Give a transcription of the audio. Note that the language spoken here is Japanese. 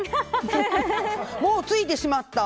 もうついてしまった。